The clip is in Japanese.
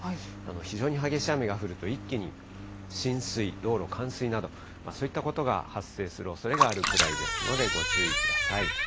非常に激しい雨が降ると、一気に浸水、道路の冠水など、そういったことが発生するおそれがあるくらいですので、ご注意ください。